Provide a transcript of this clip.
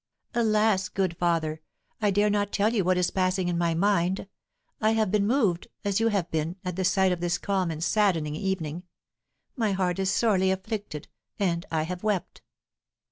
"Alas; good father, I dare not tell you what is passing in my mind. I have been moved, as you have been, at the sight of this calm and saddening evening. My heart is sorely afflicted, and I have wept."